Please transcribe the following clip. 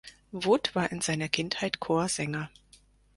Wood war in seiner Kindheit Chorsänger.